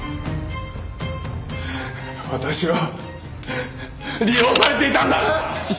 私は利用されていたんだな！